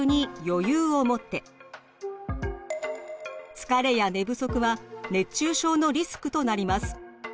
疲れや寝不足は熱中症のリスクとなります。